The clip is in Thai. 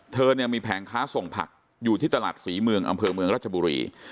เธอเนี่ยมีแผงค้าส่งผักอยู่ที่ตลาดศรีเมืองอำเภอเมืองรัชบุรี